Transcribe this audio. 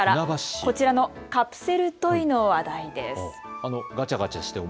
こちらのカプセルトイの話題です。